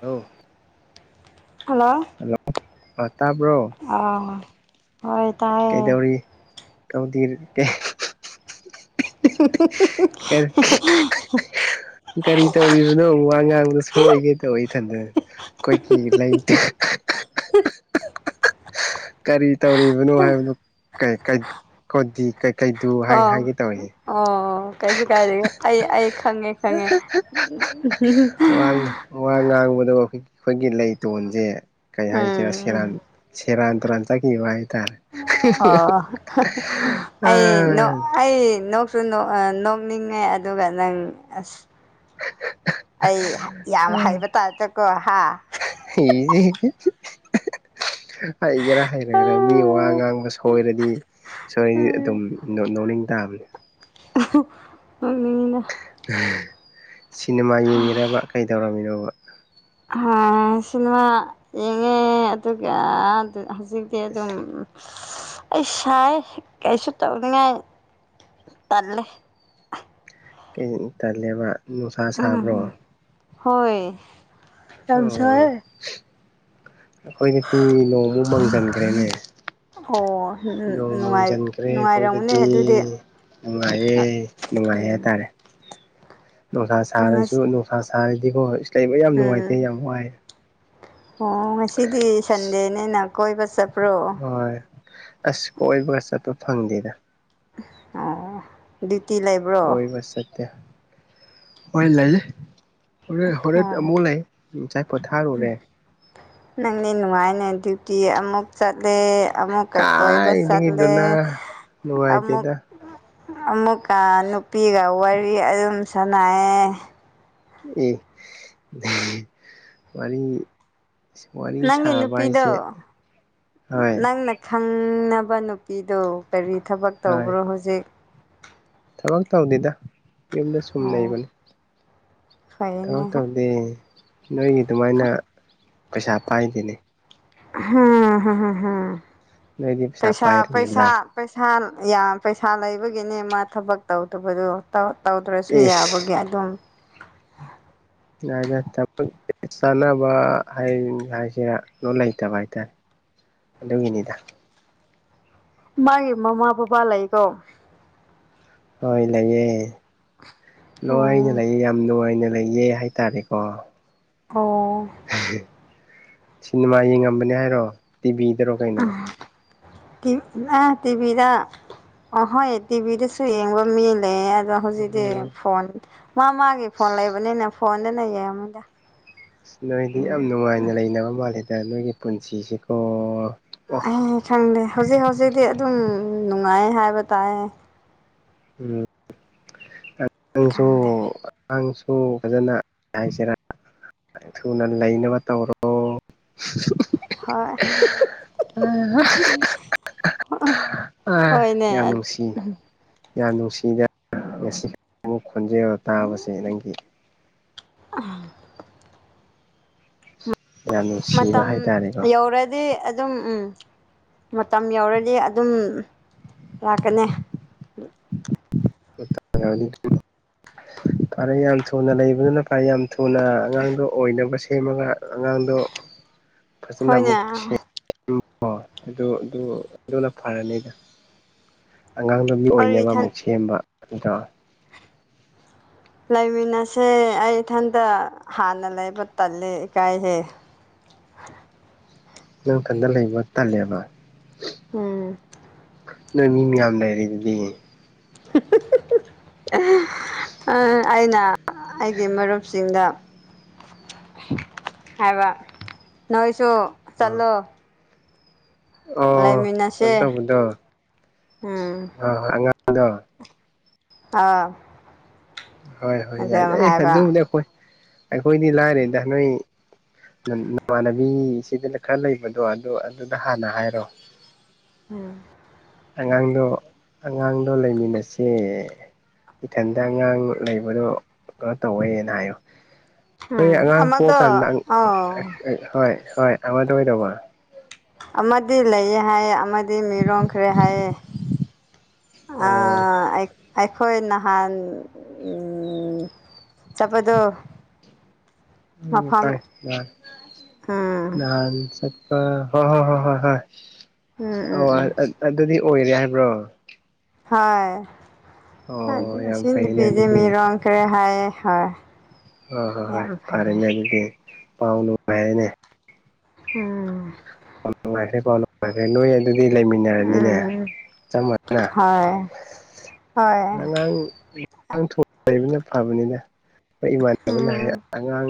Hello hello hello ꯑ ꯇꯥꯕ꯭ꯔꯣ ꯑꯥ ꯑꯧ ꯇꯥꯏ ꯀꯩꯗꯧꯔꯤ ꯀꯧ ꯗꯤ ꯎ ꯀꯔ ꯀꯔꯤ ꯇꯧꯔꯤꯕꯅꯣ ꯋꯥ ꯉꯥꯡꯗ ꯁꯣꯏꯒꯦ ꯇꯧꯋꯤ ꯏꯊꯟꯗ ꯑꯩꯈꯣꯏꯒꯤ ꯂꯩꯇꯦ ꯀꯔꯤ ꯇꯧꯔꯤꯕꯅꯣ ꯍꯥꯏꯕꯗꯨ ꯀꯩꯀꯩ ꯀꯣꯠꯗꯤ ꯀꯩ ꯀꯩꯗꯨ ꯍꯥꯏ ꯑꯣ ꯍꯥꯏꯒꯦ ꯇꯧꯌꯦ ꯑꯣ ꯀꯩꯁꯨ ꯀꯥꯏꯗꯦ ꯑꯩ ꯑꯩ ꯈꯪꯉꯦ ꯈꯪꯉꯦ ꯋꯥ ꯉꯥꯡꯕꯗꯣ ꯑꯩꯈꯣꯏꯒꯤ ꯂꯩꯇꯣꯟꯁꯦ ꯀꯩ ꯍꯥꯏꯁꯤꯔꯥ ꯎꯝ ꯁꯦꯔꯥꯟ ꯁꯦꯔꯥꯟ ꯇꯨꯔꯥꯟ ꯆꯠꯈꯤꯕ ꯍꯥꯏꯇꯥꯔꯦ ꯑꯣ ꯑꯩ ꯅꯣ ꯑꯩ ꯅꯣꯛꯁꯨ ꯅ‌ꯣꯛ ꯑ ꯅꯣꯛꯅꯤꯡꯉꯦ ꯑꯗꯨꯒ ꯅꯪ ꯑꯁ ꯑꯩ ꯌꯥꯝ ꯍꯥꯏꯕ ꯇꯥꯗꯀꯣ ꯍꯥ [unintelligible] ꯍꯩꯒꯦꯔꯥ ꯍꯩꯔꯣꯏꯔꯥ ꯃꯤ ꯋꯥ ꯉꯥꯡꯕ ꯁꯣꯏꯔꯗꯤ ꯁꯣꯏ ꯑꯗꯨꯝ ꯅ‌ꯣ ꯅꯣꯛꯅꯤꯡ ꯇꯥꯕꯅꯦ ꯅ‌ꯣꯛꯅꯤꯡꯉꯤꯗ ꯁꯤꯅꯦꯃꯥ ꯌꯦꯡꯉꯤꯔꯕ ꯀꯩꯗꯧꯔꯝꯃꯤꯅ‌ꯣꯕ ꯍꯥ ꯁꯤꯃꯥ ꯌꯦꯡꯉꯦ ꯑꯗꯨꯒ ꯍꯧꯖꯤꯛꯇꯤ ꯑꯗꯨꯝ ꯑꯩ ꯁꯥꯏꯌ‌ꯦ ꯀꯩꯁꯨ ꯇꯧꯅꯤꯡꯉꯥꯏ ꯇꯜꯂꯦ ꯀꯩ ꯇꯜꯂꯦꯕ ꯅꯨꯡꯁꯥ ꯁꯥꯕ꯭ꯔꯣ ꯎꯝ ꯍꯣꯏ ꯌꯥꯝ ꯑꯣ ꯁꯥꯏꯌꯦ ꯑꯩꯈꯣꯏꯗꯗꯤ ꯅꯣꯡꯃꯨꯛ ꯃꯪꯁꯤꯟꯈ꯭ꯔꯦꯅꯦ ꯑꯣ ꯅꯣꯡ ꯅꯨꯡꯉꯥꯏ ꯃꯪꯁꯤꯟꯈ꯭ꯔꯦ ꯅꯨꯡꯉꯥꯏꯔꯝꯃꯅꯤ ꯑꯩꯈꯣꯏꯗꯗꯤ ꯑꯗꯨꯗꯤ ꯅꯨꯡꯉꯥꯏꯌꯦ ꯅꯨꯡꯉꯥꯏꯌꯦ ꯎꯝ ꯍꯥꯏꯇꯥꯔꯦ ꯅꯨꯡꯁꯥ ꯁꯥꯔꯁꯨ ꯉꯁꯤ ꯅ‌ꯣꯡ ꯁꯥ ꯁꯥꯔꯗꯤꯀꯣ ꯑꯁ ꯂꯩꯕ ꯌꯥꯝ ꯅꯨꯡꯉꯥꯏꯇꯦ ꯎꯝ ꯌꯥꯝ ꯋꯥꯏ ꯑꯣ ꯉꯁꯤꯗꯤ ꯁꯟꯗꯦꯅꯦꯅ ꯀꯣꯏꯕ ꯆꯠꯄ꯭ꯔꯣ ꯍꯣꯏ ꯑꯁ ꯀꯣꯏꯕꯒ ꯆꯠꯄ ꯐꯪꯗꯦꯗ ꯑꯣ ꯗꯨꯗꯤ ꯂꯩꯥ ꯀꯣꯏꯕ ꯆꯠꯇꯦ ꯍꯣꯏ ꯂꯂꯤ ꯍꯣꯔ‌ꯦꯟ ꯍꯣꯔꯦꯟ ꯑꯣ ꯑꯃꯨꯛ ꯂꯩ ꯉꯁꯥꯏ ꯄꯣꯊꯥꯔꯨꯔꯦ ꯅꯪꯗꯤ ꯅꯨꯡꯉꯥꯏꯅ‌ꯦ ꯑꯗꯨꯗꯤ ꯑꯃꯨꯛ ꯆꯠꯂꯦ ꯑꯃꯨꯛꯀ ꯀꯣꯏꯕ ꯆꯠꯂꯦ ꯀꯥꯏꯗꯒꯤꯗꯨꯅ ꯑꯃꯨꯛ ꯅꯨꯡꯉꯥꯏꯇꯦꯗ ꯑꯃꯨꯛꯀ ꯅꯨꯄꯤꯒ ꯋꯥꯔꯤ ꯑꯗꯨꯝ ꯁꯥꯟꯅꯌꯦ ꯑꯦ ꯋꯥꯔꯤ ꯑꯁ ꯋꯥꯔꯤ ꯅꯪꯒꯤ ꯁꯥꯕ ꯅꯨꯄꯤꯗꯣ ꯍꯥꯏꯁꯦ ꯍꯣꯏ ꯅꯪꯅ ꯈꯪꯅꯕ ꯅꯨꯄꯤꯗꯨ ꯀꯔꯤ ꯊꯕꯛ ꯍꯣꯏ ꯇꯧꯕ꯭ꯔꯣ ꯍꯧꯖꯤꯛ ꯊꯕꯛ ꯇꯧꯗꯦꯗ ꯌꯨꯝꯗ ꯁꯨꯝ ꯑꯣ ꯂꯩꯩꯕꯅꯤ ꯐꯩꯅꯦ ꯊꯕꯛ ꯇꯧꯗꯦ ꯅꯣꯏꯒꯤ ꯑꯗꯨꯃꯥꯏꯅ ꯄꯩꯁꯥ ꯄꯥꯏꯗꯦꯅꯦ ꯍꯥꯍꯥꯍꯥꯍꯥ ꯅꯣꯏꯗꯤ ꯄꯩꯁꯥ ꯄꯩꯁꯥ ꯄꯥꯏꯔꯕꯅꯤꯅ ꯄꯩꯁꯥ ꯌꯥꯝ ꯄꯩꯁꯥ ꯂꯩꯕꯒꯤꯅꯦ ꯃꯥ ꯊꯕꯛ ꯇꯧꯗꯕꯗꯣ ꯇꯧ ꯇꯧꯗ꯭ꯔꯁꯨ ꯑꯦꯁ ꯌꯥꯕꯒꯤ ꯑꯗꯨꯝ [unintelligible] ꯊꯕꯛ ꯆꯥꯅꯕ ꯍꯥꯏ ꯍꯥꯏꯁꯤꯔꯥ ꯑꯗ‌ꯣ ꯂꯩꯇꯕ ꯍꯥꯏꯇꯥꯔꯦ [inaudible] ꯑꯗꯨꯒꯤꯅꯤꯗ ꯃꯥꯥꯏ ꯃꯃꯥ ꯕꯥꯕꯥ ꯂꯩꯥꯀꯣ ꯍꯣꯏ ꯂꯩꯌꯦ ꯂꫭꯏꯅ ꯑꯣ ꯂꯩꯌꯦ ꯌꯥꯝ ꯅꯨꯡꯉꯥꯏꯅ ꯂꯩꯌꯦ ꯍꯥꯏ ꯇꯥꯔꯦꯀꯣ ꯑ‌ꯣ ꯁꯤꯅꯤꯃꯥ ꯌꯦꯡꯉꯝꯕꯅꯦ ꯍꯥꯏꯔꯣ ꯇꯤꯚꯤꯗꯔꯣ ꯀꯩꯅꯣ ꯇꯤꯞ ꯑꯥ ꯇꯤꯚꯤꯗꯥ ꯑꯣꯍꯣꯏ ꯇꯤꯕꯤꯗꯁꯨ ꯌꯦꯡꯕ ꯃꯤ ꯂꯩꯌꯦ ꯑꯗꫭ ꯍꯨꯖꯤꯛꯇꯤ ꯎꯝ ꯐꯣꯟ ꯃꯥ ꯃꯥꯒꯤ ꯐꯣꯟ ꯂꯩꯕꯅꯤꯅ ꯐꯣꯟꯗꯅ ꯌꯦꯡꯉꯝꯅꯤꯗ ꯅꯣꯏꯗꯤ ꯌꯥꯝ ꯅꯨꯡꯉꯥꯏꯅ ꯂꯩꯅꯕ ꯃꯥꯜꯂꯤꯗ ꯅꯣꯏꯒꯤ ꯄꯨꯟꯁꯤꯁꯦꯀꯣ ꯍꯤꯜ ꯈꯪꯗꯦ ꯍꯧꯖꯤꯛ ꯍꯧꯖꯤꯛꯇꯤ ꯑꯗꯨꯝ ꯅꯨꯡꯉꯥꯏꯌꯦ ꯍꯥꯏꯕ ꯇꯥꯏꯌꯦ ꯎꯝ ꯅꯪꯁꯨ ꯈꯪꯗꯦ ꯅꯪꯁꯨ ꯐꯖꯅ ꯍꯥꯏꯁꯤꯔꯥ ꯊꯨꯅ ꯂꯩꯅꯕ ꯇꯧꯔꯣ ꯍꯣꯏ ꯑꯥ ꯌꯥꯝ ꯍꯣꯏꯅꯦ ꯅꯨꯡꯁꯤ ꯌꯥꯝ ꯅꯨꯡꯁꯤꯗ ꯉꯁꯤ ꯑꯃꯨꯛ ꯈꯣꯟꯖꯦꯜ ꯇꯥꯕꯁꯦ ꯅꯪꯒꯤ ꯎꯝ ꯌꯥꯝ ꯅꯨꯡꯁꯤꯕ ꯃꯇꯝ ꯍꯥꯏꯇꯥꯔꯦꯀꯣ ꯌꯧꯔꯗꯤ ꯑꯗꯨꯝ ꯎꯝ ꯃꯇꯝ ꯌꯧꯔꯗꯤ ꯑꯗꯨꯝ ꯂꯥꯛꯀꯅꯤ ꯐꯔꯦ ꯌꯥꯝ ꯊꯨꯅ ꯂꯩꯕꯅꯤꯅ ꯐꯔꯦ ꯌꯥꯝ ꯊꯨꯅ ꯑꯉꯥꯡꯗꯣ ꯑꯣꯏꯅꯕ ꯁꯦꯝꯃꯒ ꯑꯉꯥꯡꯗꯣ ꯐꯖꯅ ꯍꯣꯏꯅꯦ ꯑꯃꯨꯛ ꯁꯦꯝ ꯑꯩ ꯎ ꯍ ꯑꯗꯨ ꯑꯗꯨ ꯑꯗꯨꯅ ꯐꯔꯅꯤꯗ ꯑꯉꯥꯡ ꯕꯨ ꯃꯤ ꯑꯣꯏꯅꯕ ꯏꯊꯟ ꯑꯃꯨꯛ ꯁꯦꯝꯕ ꯅꯇ꯭ꯔꯣ ꯂꯩꯃꯤꯟꯅꯁꯦ ꯑꯩ ꯏꯊꯟꯇ ꯍꯥꯟꯅ ꯂꯩꯕ ꯇꯜꯂꯦ ꯏꯀꯥꯏꯍꯦ ꯅꯡ ꯊꯟꯗ ꯂꯩꯕ ꯇꯜꯂꯦꯕ ꯎꯝ ꯅꯣꯏ ꯃꯤ ꯃꯌꯥꯝ ꯂꯩꯔꯤ ꯗꯨꯗꯤ [unintelligible] [inaudible] ꯑꯩꯅ ꯑꯩꯒꯤ ꯃꯔꯨꯞꯁꯤꯡꯗ ꯍꯥꯏꯕ ꯅꯣꯏꯁꯨ ꯑꯥ ꯆꯠꯂꯣ ꯑꯣ ꯂꯩꯃꯤꯟꯅꯁꯦ ꯀꯩꯅꯣ ꯇꯧꯕꯗꯣ ꯎꯝ ꯑ ꯑꯉꯥꯡꯗꯣ ꯑꯥ ꯍꯣꯏ ꯍꯣꯏ ꯌꯥꯏ ꯑꯗꯨꯝ ꯑꯩ ꯍꯥꯏꯕ ꯑꯗꯨꯕꯨꯗꯤ ꯑꯩꯈꯣꯏ ꯑꯩꯈꯣꯏꯗꯤ ꯂꯥꯏꯔꯦꯗ ꯅꯣꯏ ꯅꯃꯥꯟꯅꯕꯤꯁꯤꯗꯅ ꯈꯔ ꯂꯩꯕꯗꯣ ꯑꯗꯨꯗꯣ ꯑꯗꯨꯗ ꯍꯥꯟꯅ ꯍꯥꯏꯔꯣ ꯎꯝ ꯑꯉꯥꯡꯗꯣ ꯑꯉꯥꯡꯗꯣ ꯂꯩꯃꯤꯟꯅꯁꯦ ꯏꯊꯟꯗ ꯑꯉꯥꯡ ꯂꯩꯕꯗꯣ ꯀꯩꯅꯣ ꯇꯧꯋꯦꯅ ꯍꯥꯏꯌꯨ ꯎꯝ ꯑꯩꯈꯣꯏ ꯑꯉꯥꯡ ꯑꯃꯗꯣ ꯄꯣꯛꯑꯀꯥꯟꯗ ꯑꯧ ꯍꯣꯏ ꯍꯣꯏ ꯑꯃꯗ ꯑꯣꯏꯗꯧꯕ ꯑꯃꯗꯤ ꯂꯩꯌꯦ ꯍꯥꯏ ꯑꯃꯗꯤ ꯃꯤꯔꯣꯜ ꯈꯔꯦ ꯍꯥꯏꯌꯦ ꯑꯣ ꯑꯩꯈꯣꯏ ꯅꯍꯥꯟ ꯎꯝ ꯆꯠꯄꯗꯣ ꯎꯝ ꯃꯐꯝ ꯎꯝ [unintelligible] ꯅꯍꯥꯟ ꯆꯠ ꯑ ꯍꯣꯏ ꯍꯣꯏ ꯍꯣꯏ ꯍꯣꯏ ꯍꯣꯏ ꯎꯝ ꯑꯣ ꯎꯝ ꯎꯝ ꯑꯗꯨꯗꯤ ꯑꯣꯏꯔꯦ ꯍꯥꯏꯕ꯭ꯔꯣ ꯍꯣꯏ ꯑꯣ ꯌꯥꯝ ꯑꯁꯤ ꯐꯩꯅꯦ ꯅꯨꯄꯤꯁꯤ ꯑꯗꯨꯗꯤ ꯃꯤꯔꯣꯜ ꯈꯔ꯭ꯦ ꯍꯥꯏꯌꯦ ꯍꯣꯏ ꯍꯣꯏ ꯍꯣꯏ ꯍꯣꯏ ꯌꯥꯝ ꯐꯩꯌꯦ ꯐꯔꯦꯅꯦ ꯑꯗꯨꯗꯤ ꯄꯥꯎ ꯅꯨꯡꯉꯥꯏꯔꯅꯦ ꯎꯝ ꯄꯥꯎ ꯅꯨꯪꯉꯥꯏꯈꯔꯦ ꯀꯣ ꯑꯗꯨꯗꯤ ꯐꯔꯦ ꯅꯣꯏ ꯑꯗꯨꯗꯤ ꯂꯩꯃꯤꯟꯅꯔꯅꯤꯅꯦ ꯎꯝ ꯆꯞ ꯃꯥꯟꯅꯅ ꯍꯣꯏ ꯍꯣꯏ ꯑꯉꯥꯡ ꯑꯉꯥꯡ [unintelligible] ꯂꯩꯕꯅ ꯐꯕꯅꯤꯅ ꯍꯣꯏ ꯏꯃꯥꯟꯅꯕꯅ ꯍꯥꯏ ꯎꯝ ꯑꯉꯥꯡ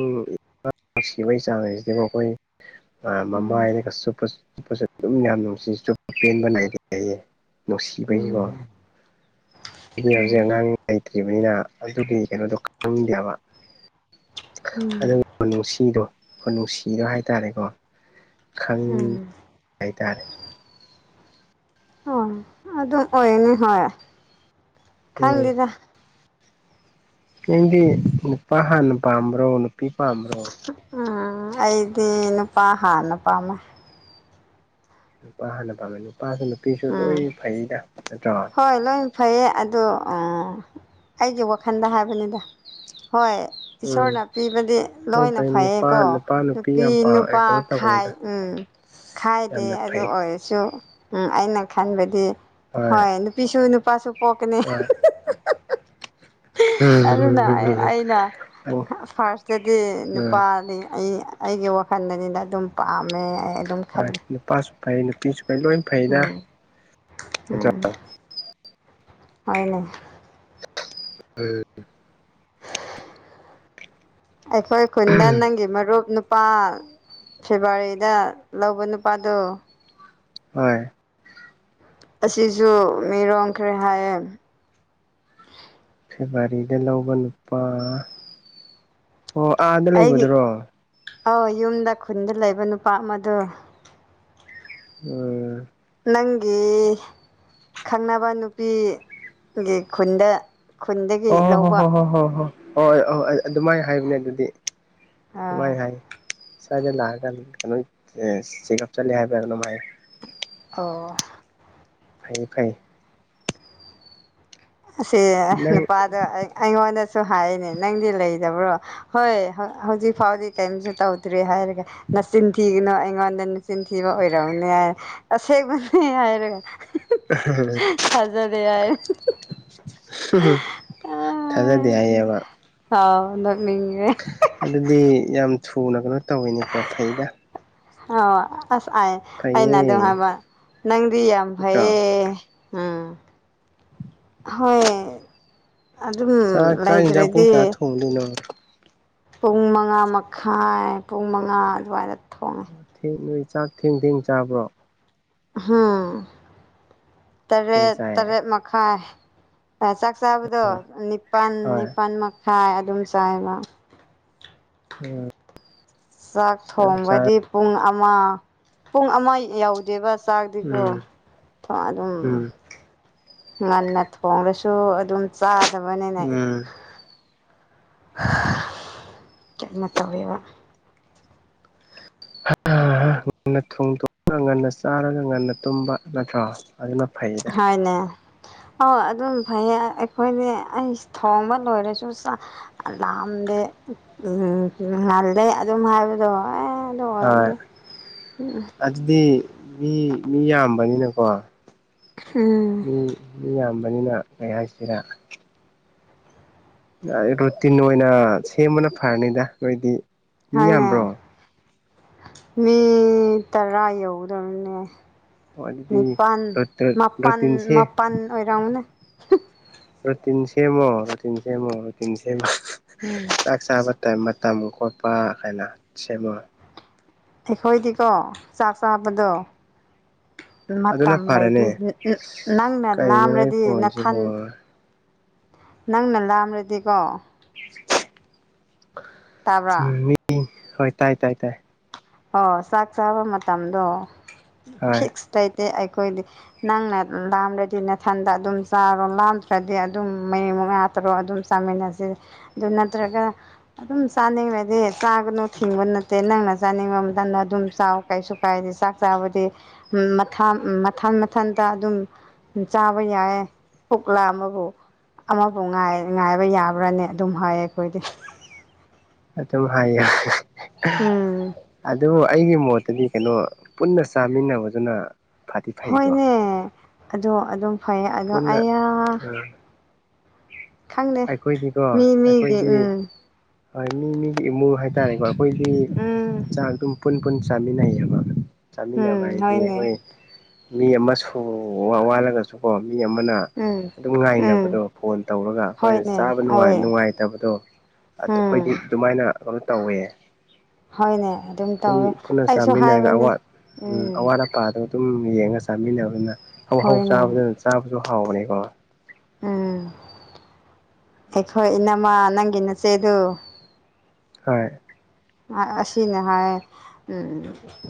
ꯅꯨꯡꯁꯤꯕꯒꯤ ꯆꯥꯡꯁꯤꯗꯤꯕꯨ ꯑꯩꯈꯣꯏ ꯎꯝ ꯃꯃꯥꯏꯗ ꯆꯨꯞꯄ ꯆꯨꯞꯄꯁꯨ ꯑꯗꯨꯝ ꯌꯥꯝ ꯅꯨꯡꯁꯤ ꯆꯨꯞꯄ ꯄꯦꯟꯕ ꯅꯥꯏꯗꯦ ꯍꯥꯏꯌꯦꯦ ꯅꯨꯡꯁꯤꯕꯩꯀꯣ ꯎꯝ ꯎꯝ ꯂꯩꯇ꯭ꯔꯤꯕꯅꯤꯅ ꯑꯗꯨꯒꯤ ꯀꯩꯅꯣꯗꯣ ꯈꯪꯗꯦꯕ ꯍꯥꯏꯕꯥ ꯑꯗꯨ ꯈꯨꯅꯨꯡꯁꯤꯗꯣ ꯈꯨꯅꯨꯡꯁꯤꯗꯣ ꯍꯥꯏ ꯇꯥꯔꯦꯀꯣ ꯎꯝ ꯎꯝ ꯈꯪ ꯍꯥꯏꯇꯥꯔꯦ ꯍꯣꯏ ꯑꯗꯨꯝ ꯑꯣꯏꯅꯤ ꯍꯣꯏ ꯎꯝ ꯈꯪꯗꯦꯗ ꯅꯪꯗꯤ ꯅꯨꯄꯥ ꯍꯥꯟꯅ ꯄꯥꯝꯕ꯭ꯔꯣ ꯅꯨꯄꯤ ꯄꯥꯝꯕ꯭ꯔꯣ ꯑꯥ ꯑꯩꯗꯤ ꯅꯨꯄꯥ ꯍꯥꯥꯟꯅ ꯄꯥꯝꯃꯦ ꯅꯨꯄꯥ ꯍꯥꯟꯅ ꯄꯥꯝꯃꯦ ꯅꯨꯄꯥꯁꯨ ꯅꯨꯄꯤꯁꯨ ꯎꯝ ꯂꯣꯏ ꯐꯩꯗ ꯅꯠꯇ꯭ꯔꯣ ꯍꯣꯏ ꯂꯣꯏ ꯐꯩꯌꯦ ꯑꯗꯣ ꯎꯡ ꯑꯩꯒꯤ ꯋꯥꯈꯜꯗ ꯍꯥꯏꯕꯅꯤꯗ ꯍꯣꯏ ꯎꯝ ꯏꯁꯣꯔꯅ ꯄꯤꯕꯗꯤ ꯂꯣꯏ ꯂꯣꯏꯅ ꯐꯩ ꯐꯩꯌꯦꯀꯣ ꯅꯨꯄꯥ ꯅꯨꯄꯥ ꯅꯨꯄꯤ ꯌꯥꯝ ꯄꯥꯝ ꯅꯨꯄꯥ ꯀꯩꯅꯣ ꯈꯥꯏ ꯇꯧꯒꯅꯨꯗ ꯎꯝ ꯈꯥꯏꯗꯦ ꯌꯥꯝꯅ ꯑꯗꯨ ꯐꯩ ꯑꯣꯏꯔꯁꯨ ꯎꯝ ꯑꯩꯅ ꯈꯟꯕꯗꯤ ꯍꯣꯏ ꯅꯨꯄꯤꯁꯨ ꯅꯨꯄꯥꯁꯨ ꯄꯣꯛꯀꯅꯤ ꯍꯣꯏ ꯑꯗꯨꯅ ꯑꯩ ꯑꯩꯅ ꯎꯝ ꯐꯥꯔꯁꯇꯗꯤ ꯎꯝ ꯅꯨꯄꯥꯗꯤ ꯑꯩ ꯑꯩꯒꯤ ꯋꯥꯈꯜꯗꯅꯤꯗ ꯑꯗꯨꯝ ꯄꯥꯝꯃꯦ ꯑꯩ ꯑꯗꯨꯝ ꯍꯣꯏ ꯈꯜꯂꯤ ꯅꯨꯄꯥꯁꯨ ꯐꯩ ꯅꯨꯄꯤꯁꯨ ꯐꯩ ꯂꯣꯏ ꯐꯩꯗ ꯅꯠꯇ꯭ꯔꯣ ꯎꯝ [unintelligible] ꯍꯣꯏꯅꯦ [unintelligible] ꯑꯩꯈꯣꯏ ꯈꯨꯟꯗ ꯅꯪꯒꯤ ꯃꯔꯨꯞ ꯅꯨꯄꯥ ꯐꯦꯕꯋꯥꯔꯤꯗ ꯂꯧꯕ ꯅꯨꯄꯥꯗꯣ ꯍꯣꯏ ꯑꯁꯤꯁꯨ ꯃꯤꯔꯣꯡꯈ꯭ꯔꯦ ꯍꯥꯏꯌꯦ ꯐꯦꯕꯋꯥꯔꯤꯗ ꯂꯧꯕ ꯅꯨꯄꯥ ꯑꯣ ꯑꯥꯗ ꯑꯩꯒꯤ ꯂꯩꯕꯗꯨꯔꯣ ꯑꯧ ꯌꯨꯝꯗ ꯈꯨꯟꯗ ꯂꯩꯕ ꯅꯨꯄꯥ ꯑꯃꯗꯣ [unintelligible] ꯅꯪꯒꯤ ꯈꯪꯅꯕ ꯅꯨꯄꯤ ꯒꯤ ꯈꯨꯟꯗ ꯈꯨꯟꯗꯒꯤ ꯑꯣ ꯍꯣ ꯂꯧꯕ ꯍꯣ ꯍꯣ ꯍꯣ ꯍꯣ ꯑꯣꯏ ꯑꯍꯣꯏ ꯑꯩ ꯑꯗꯨꯃꯥꯏꯅ ꯍꯥꯏꯕꯅꯦ ꯑꯗꯨꯗꯤ ꯑꯥ ꯑꯗꯨꯃꯥꯏꯅ ꯍꯥꯏꯌꯦ ꯁ꯭ꯋꯥꯏꯗ ꯂꯥꯛꯑꯀꯥꯟꯗ [unintelligible] ꯆꯦꯛꯒꯞ ꯆꯠꯂꯦ ꯍꯥꯏꯕ꯭ꯔꯥ ꯀꯩꯅꯣꯝ ꯍꯥꯏꯌꯦ ꯑꯣ ꯐꯩ ꯐꯩ ꯑꯁꯤ ꯅꯪ ꯅꯨꯄꯥꯗꯣ ꯑꯩ ꯑꯩꯉꯣꯟꯗꯁꯨ ꯍꯥꯏꯅꯦ ꯅꯪꯗꯤ ꯂꯩꯗꯕ꯭ꯔꯣ ꯍꯣꯏ ꯍꯧ ꯍꯧꯖꯤꯛ ꯐꯥꯎꯗꯤ ꯀꯩꯏꯝꯖꯨ ꯇꯧꯗ꯭ꯔꯤ ꯍꯥꯏꯔꯒ ꯅꯆꯤꯟ ꯊꯤꯒꯅꯨ ꯑꯩꯉꯣꯟꯗ ꯅꯆꯤꯟ ꯊꯤꯕ ꯑꯣꯏꯔꯝꯃꯅꯦ ꯍꯥꯏ ꯑꯁꯦꯡꯕꯅꯦ ꯍꯥꯏꯔꯒ ꯊꯥꯖꯗꯦ ꯍꯥꯏ ꯊꯥꯖꯗꯦ ꯍꯥꯏꯌꯦꯕ ꯑꯥꯎ ꯅꯣꯛꯅꯤꯡꯉꯦ ꯑꯗꯨꯗꯤ ꯌꯥꯝ ꯊꯨꯅ ꯀꯩꯅꯣ ꯇꯧꯋꯤꯅꯦꯀꯣ ꯐꯩꯗ ꯑꯥꯎ ꯑꯁ ꯑꯥꯏ ꯑꯩꯅ ꯐꯩꯌꯦ ꯑꯗꯨꯝ ꯍꯥꯏꯕ ꯅꯪꯗꯤ ꯌꯥꯝ ꯅꯠꯇ꯭ꯔꯣ ꯐꯩꯌꯦ ꯎꯡ ꯍꯣꯏ ꯑꯗꯨꯝ ꯂꯩꯇ꯭ꯔꯗꯤ ꯊꯣꯡꯗꯨꯏꯅꯣ ꯄꯨꯡ ꯃꯉꯥ ꯃꯈꯥꯏ ꯄꯨꯡ ꯃꯉꯥ ꯑꯗꯨꯋꯥꯏꯗ ꯊꯣꯡ ꯊꯦꯡ ꯅꯣꯏ ꯆꯥꯛ ꯊꯦꯡ ꯊꯦꯡ ꯆꯥꯕ꯭ꯔꯣ [unintelligible] ꯊꯦꯡ ꯇꯔꯦꯠ ꯆꯥꯏꯌꯦ ꯇꯔꯦꯠ ꯃꯛ ꯈꯥꯏ ꯑꯥ ꯆꯥꯛ ꯆꯥꯕꯗꯣ ꯅꯤꯄꯥꯟ ꯍꯣꯏ ꯅꯤꯄꯥꯟ ꯃꯛ ꯍꯥꯏ ꯑꯗꯨꯝ ꯆꯥꯑꯦ ꯃꯥ꯫ ꯆꯥꯛ ꯎꯝ ꯊꯣꯡꯕꯗꯤ ꯄꯨꯡ ꯑꯃ ꯄꯨꯡ ꯑꯃ ꯌꯧꯗꯦꯕ ꯆꯥꯛꯗꯤꯀꫭ ꯎꯝ ꯊꫭꯡ ꯑꯗꯨꯝ ꯎꯝ ꯉꯟꯅ ꯊꯣꯡꯔꯁꯨ ꯑꯗꯨꯝ ꯆꯥꯗꯕꯅꯤꯅ ꯎꯝ [unintelligible] ꯀꯩꯅ ꯇꯧꯋꯦꯕ꯫ [inaudible] ꯉꯟꯅ ꯊꯣꯡꯊꯣꯛꯑꯒ ꯉꯟꯅ ꯆꯥꯔꯒ ꯉꯟꯅ ꯇꯨꯝꯕ ꯅꯠꯇ꯭ꯔꯣ ꯑꯗꯨꯅ ꯐꯩꯌꯦ꯫ ꯍꫭꯏꯅꯦ ꯑ ꯑꯗꯨꯝ ꯐꯩꯌꯦ ꯑꯩꯈꯣꯏꯗꯤ ꯑꯩꯁ ꯊꯣꯡꯕ ꯂꯣꯏꯔꯁꯨ ꯆꯥ ꯑ ꯂꯝꯗꯦ ꯎꯝ ꯉꯜꯂꯦ ꯑꯗꯨꯝ ꯍꯥꯏꯕꯗꯣ ꯑꯦ꯫ ꯍꯣꯏ ꯑꯣꯏꯔꯗꯤ ꯑꯗꯨꯗꯤ ꯃꯤ ꯃꯤ ꯌꯥꯝꯕꯅꯤꯅꯀꯣ꯫ ꯎꯝ ꯃꯤ ꯃꯤ ꯌꯥꯝꯕꯅꯤꯅ ꯀꯩ ꯍꯥꯏꯁꯤꯔꯥ꯫ ꯔꯨꯇꯤꯟ ꯑꯣꯏꯅ ꯁꯦꯝꯕꯅ ꯐꯔꯅꯤꯗ ꯑꯩꯈꯣꯏꯗꯤ꯫ ꯍꯥꯏꯅꯦ ꯃꯤ ꯇꯔꯥ ꯌꯧꯒꯗꯕꯅꯦ꯫ ꯑꯣ ꯑꯗꯨꯗꯤ ꯅꯤꯄꯥꯟ ꯃꯥꯄꯟ ꯔꯨꯇꯤꯟꯁꯦ ꯃꯥꯄꯟ ꯑꯣꯏꯔꯝꯒꯅꯤ꯫ ꯔꫭꯇꯤꯟ ꯁꯦꯝꯑꯦ ꯔꫭꯇꯤꯟ ꯁꯦꯝꯑꯦ ꯔꫭꯇꯤꯟ ꯁꯦꯝꯒ [unintelligible] ꯎꯝ [unintelligible] ꯆꯥꯛ ꯆꯥꯕ ꯇꯥꯏꯝ ꯃꯇꯝ ꯈꯣꯠꯄ ꯀꯥꯏꯅ ꯁꯦꯝꯃꯣ꯫ ꯑꯩꯈꯣꯏꯗꯤꯀꯣ ꯆꯥꯛ ꯆꯥꯕꯗꯣ ꯑꯗꯨꯅ ꯃꯇꯝ ꯂꯩꯗꯤ ꯐꯔꯅꯤ ꯅ ꯅꯪꯅ ꯀꯩꯅꯣ ꯅꯪ ꯂꯥꯝꯔꯗꯤ ꯅꯊꯟ ꯐꯣꯟꯁꯤꯕꯨ ꯅꯪꯅ ꯂꯥꯝꯔꯗꯤꯀꯣ [unintelligible] ꯇꯥꯕ꯭ꯔꯥ ꯃꯤ ꯍꯣꯏ ꯇꯥꯏ ꯇꯥꯏ ꯇꯥꯏ꯫ ꯑꯣ ꯆꯥꯛ ꯆꯥꯕ ꯃꯇꯝꯗꯣ ꯍꯣꯏ ꯐꯤꯛꯁ ꯂꯩꯇꯦ ꯑꯩꯈꯣꯏꯗꯤ꯫ ꯅꯪꯅ ꯂꯥꯝꯔꯗꯤ ꯅꯊꯟꯗ ꯑꯗꯨꯝ ꯆꯥꯔꯣ ꯂꯥꯝꯗ꯭ꯔꯗꯤ ꯑꯗꯨꯝ ꯃꯔꯤ ꯃꯉꯥ ꯇꯔꯣ ꯑꯗꯨꯝ ꯆꯥꯃꯤꯟꯅꯁꯤ ꯑꯗꯨ ꯅꯠꯇ꯭ꯔꯒ ꯑꯗꯨꯝ ꯆꯥꯅꯤꯡꯔꯗꯤ ꯆꯥꯒꯅꯨ ꯊꯤꯡꯕ ꯅꯠꯇꯦ ꯅꯪꯅ ꯆꯥꯅꯤꯡꯕ ꯃꯇꯝꯗ ꯑꯗꯨꯝ ꯆꯥꯎ ꯀꯩꯁꯨ ꯀꯥꯏꯗꯤ ꯆꯥꯛ ꯆꯥꯕꯗꯤ ꯎꯝ ꯃꯊꯥꯟ ꯃꯊꯟ ꯃꯊꯟꯇ ꯑꯗꯨꯝ ꯎꯝ ꯆꯥꯕ ꯌꯥꯏꯑꯦ ꯄꯨꯛ ꯂꯥꯝꯃꯕꯨ꯫ ꯑꯃꯕꯨ ꯉꯥꯏ ꯉꯥꯏꯕ ꯌꯥꯕ꯭ꯔꯥꯅꯦ ꯑꯗꯨꯝ ꯍꯥꯏꯌꯦ ꯑꯩꯈꯣꯏꯗꯤ [unintelligible] ꯑꯗꯨꯝ ꯍꯥꯏꯌꯨ ꯎꯝ [unintelligible] ꯑꯗꯨ ꯑꯩꯒꯤ ꯃꯣꯠꯇꯗꯤ ꯀꯩꯅꯣ ꯄꯨꯟꯅ ꯆꯥꯃꯤꯟꯅꯕꯗꯨꯅ ꯐꯗꯤ ꯐꯩꯀꯣ ꯍꯣꯏꯅꯦ ꯑꯗꯣ ꯑꯗꯨꯝ ꯐꯩꯌꯦ ꯑꯗꯣ ꯄꯨꯟꯅ ꯑꯩꯌꯥ꯫ ꯈꯪꯗꯦ ꯑꯩꯈꯣꯏꯗꯤꯀꯣ ꯃꯤ ꯃꯤꯒꯤ ꯑꯩꯈꯣꯏꯗꯤ ꯎꯝ ꯍꯣꯏ ꯃꯤ ꯃꯤꯒꯤ ꯏꯃꯨꯡ ꯍꯥꯏꯇꯥꯔꯦꯀꯣ ꯑꯩꯈꯣꯏꯗꯤ ꯎꯝ ꯆꯥꯛ ꯑꯗꯨꯝ ꯄꯨꯟ ꯄꯨꯟ ꯆꯥꯃꯤꯟꯅꯩꯑꯦꯕ ꯎꯝ ꯆꯥꯃꯤꯟꯅꯕ ꯍꯥꯏꯗꯤ ꯍꯣꯏꯅꯦ ꯑꯩꯈꯣꯏ ꯃꯤ ꯑꯃꯁꯨ ꯋ ꯋꯥꯠꯂꯒꯁꯨꯀꯣ ꯃꯤ ꯑꯃꯅ ꯎꯝ [unintelligible] ꯑꯗꯨꯝ ꯎꯝ ꯉꯥꯏꯅꯕꯗꯣ ꯐꯣꯟ ꯇꯧꯔꯒ꯫ ꯑꯈꯣꯏꯅ ꯍꯣꯏꯅꯦ ꯆꯥꯕ ꯅꯨꯡꯉꯥꯏ ꯍꯣꯏ ꯅꯨꯡꯉꯥꯏꯇꯕꯗꯣ ꯑꯗꯨ ꯑꯈꯣꯏꯗꯤ ꯎꯝ ꯑꯗꯨꯃꯥꯏꯅ ꯀꯩꯅꯣ ꯇꯧꯋꯦ꯫ ꯍꯣꯏꯅꯦ ꯑꯗꯨꯝ [unintelligible] ꯄꯨꯟ ꯇꯧꯋꯦ ꯄꯨꯟꯅ ꯑꯩꯁꯨ ꯆꯥꯃꯤꯟꯅꯔꯒ ꯍꯥꯏꯕꯅꯦ ꯑꯋꯥꯠ ꯎ ꯎꯝ ꯑꯋꯥꯠ ꯑꯞ ꯄꯥꯗꯣ ꯑꯗꯨꯝ ꯌꯦꯡꯉ ꯆꯥꯃꯤꯟꯅꯕꯗꯨꯅ ꯍꯧ-ꯍꯧ ꯍꯣꯏꯅꯦ ꯆꯥꯕꯗꯨꯅ ꯆꯥꯕꯁꯨ ꯍꯥꯎꯕꯅꯤꯀꯣ꯫ ꯎꯝ ꯑꯩꯈꯣꯏ ꯏꯅꯃ ꯅꯪꯒꯤ ꯅꯆꯦꯗꯨ ꯍꯣꯏ꯫ ꯉꯥ ꯑꯁꯤꯅꯤ ꯍꯥꯏꯑꯦ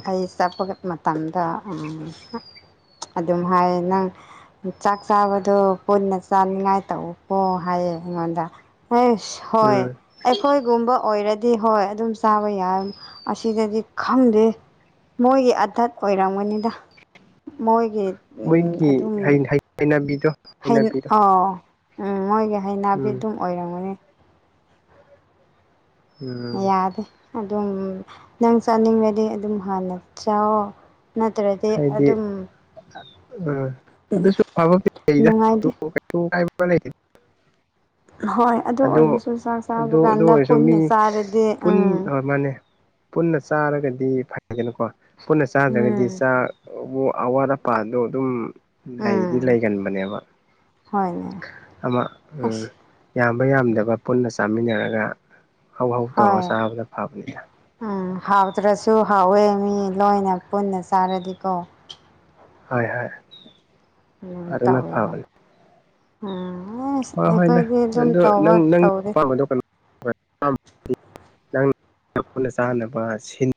ꯑꯩ ꯆꯠꯄꯒ ꯃꯇꯝꯗꯥ ꯑ [unintelligible] ꯑꯗꯨꯝ ꯍꯥꯏꯌꯦ ꯅꯪ ꯆꯥꯛ ꯆꯥꯕꯗꯣ ꯄꯨꯟꯅ ꯆꯥꯅꯤꯡꯉꯥꯏ ꯇꯧꯑꫭꯀꯣ ꯍꯥꯏꯌꯦ ꯑꯩꯉꯣꯟꯗ꯫ ꯑꯩꯁ ꯍꯣꯏ ꯎꯝ ꯑꯩꯈꯣꯏꯒꯨꯝꯕ ꯑꯣꯏꯔꯗꯤ ꯍꯣꯏ ꯑꯗꯨꯝ ꯆ ꯆꯥꯕ ꯌꯥ ꯑꯁꯤꯗꯗꯤ ꯈꯪꯗꯦ ꯃꯣꯏꯒꯤ ꯑꯊꯠ ꯑꯣꯏꯔꯝꯒꯅꯤꯗ ꯃꯣꯏꯒꯤ ꯃꯣꯏꯒꯤ ꯍꯩꯅꯕꯤꯗꯣ ꯍꯩꯅꯕꯤꯗꯣ ꯑꯥꯎ ꯎꯝ ꯃꯣꯏꯒꯤ ꯍꯩꯅꯕꯤ ꯎꯝ ꯑꯗꯨꯝ ꯑꯣꯏꯔꯝꯒꯅꯤ ꯎꯝ ꯌꯥꯗꯦ ꯑꯗꯨꯝ ꯅꯪ ꯆꯠꯅꯤꯡꯕꯗꯤ ꯑꯗꯨꯝ ꯍꯥꯟꯅ ꯆꯥꯎꯑꯣ ꯅꯠꯇ꯭ꯔꯗꯤ ꯍꯥꯏꯗꯤ ꯑꯗꯨꯝ ꯎꯝ ꯑꯗꯨꯁꯨ ꯅꯨꯡꯉꯥꯏꯇꯦ UNINTELLIGIBLE ꯍꯣꯏ ꯑꯗꯨ ꯑꯣꯏꯔꯁꯨ ꯆꯥꯛ ꯆꯥꯕ ꯑꯗꯨ ꯑꯗꯨ ꯀꯥꯟꯗ ꯑꯣꯏꯔꯁꯨ ꯄꯨꯟꯅ ꯃꯤ ꯆꯥꯔꯗꯤ ꯎꯝ ꯄꯨꯟ ꯍꯣꯏ ꯃꯥꯅꯦ ꯄꯨꯟꯅ ꯆꯥꯔꯒꯗꯤ ꯐꯩꯗꯅꯀꯣ ꯄꯨꯟꯅ ꯆꯥꯗ꯭ꯔꯒꯗꯤ ꯎꯝ ꯆꯥꯛ ꯑꯗꯨ ꯑꯋꯥꯠ ꯑꯄꯥꯗꯣ ꯑꯗꯨꯝ ꯂꯩꯗꯤ ꯎꯝ ꯂꯩꯒꯟꯕꯅꯦꯕ ꯍꯣꯏꯅꯦ ꯑꯃ ꯎꯝ ꯑꯁ ꯌꯥꯝꯕ ꯌꯥꯝꯗꯕ ꯄꯨꯟꯅ ꯆꯥꯃꯤꯟꯅꯔꯒ ꯍꯧ ꯍꯧ ꯇꯧꯔꯒ ꯍꯣꯏ ꯆꯥꯕꯅ ꯐꯕꯅꯤꯗ ꯎꯝ ꯍꯥꯎꯇ꯭ꯔꯁꯨ ꯍꯥꯎꯋꯦ ꯃꯤ ꯂꯣꯏꯅ ꯄꯨꯟꯅ ꯆꯥꯔꯗꯤꯀꯣ ꯍꯣꯏ ꯍꯣꯏ ꯎꯝ ꯑꯗꯨꯅ ꯇꯧꯋꯦꯕ ꯐꯕꯅꯤ ꯎꯝ ꯑꯨꯝ ꯍꯣꯏ ꯍꯣꯏꯗ ꯑꯩꯈꯣꯏꯗꯤ ꯑꯗꯨꯝ ꯑꯗꯨ ꯇꯧꯕ ꯅꯪ ꯅꯪꯒꯤ ꯇꯧꯗꯦ ꯑꯄꯥꯝꯕꯗꯣ ꯀꯩꯅꯣ ꯅꯪ ꯄꯨꯟꯅ ꯆꯥꯅꯕ ꯁꯤꯟ